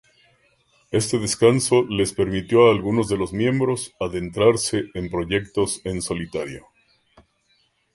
Este descanso les permitió a algunos de los miembros adentrarse en proyectos en solitario.